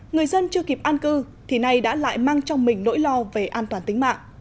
người dân chưa kịp an cư thì nay đã lại mang trong mình nỗi lo về an toàn tính mạng